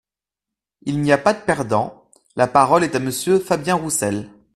Il n’y a pas de perdant ! La parole est à Monsieur Fabien Roussel.